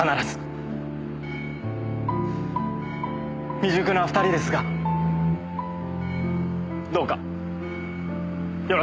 未熟な２人ですがどうかよろしくお願いします。